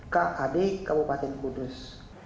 kad kabupaten kudus